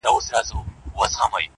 یار ګیله من له دې بازاره وځم,